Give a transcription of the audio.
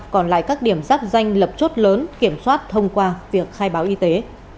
còn lại các điểm giáp danh lập chốt lớn kiểm soát thông qua việc khai báo y tế